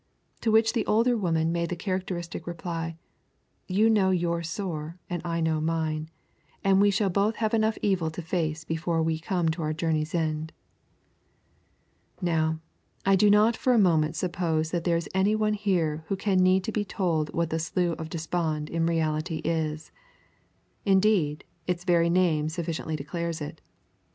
To which the older woman made the characteristic reply: 'You know your sore and I know mine, and we shall both have enough evil to face before we come to our journey's end.' Now, I do not for a moment suppose that there is any one here who can need to be told what the Slough of Despond in reality is. Indeed, its very name sufficiently declares it.